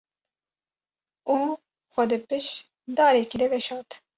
Û xwe di piş darekê de veşart.